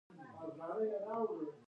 نریندرا مودي واک ته ورسید.